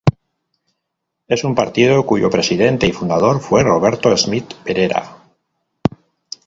Es un partido cuyo presidente y fundador fue Roberto Smith Perera.